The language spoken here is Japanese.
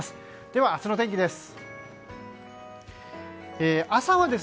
では、明日の天気です。